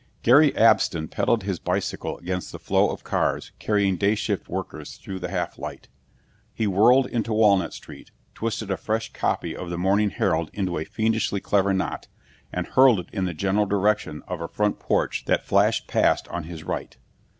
Gary Abston peddled his bicycle against the flow of cars carrying day shift workers through the half light. He whirled into Walnut Street, twisted a fresh copy of the Morning Herald into a fiendishly clever knot, and hurled it in the general direction of a front porch that flashed past on his right.